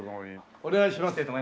お願いします。